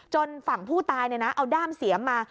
จนฝั่งผู้ตายเนี่ยนะเอาด้ามเสียงมา